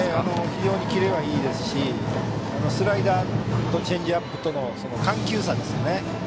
非常にキレがいいですしスライダーとチェンジアップとの緩急差ですよね。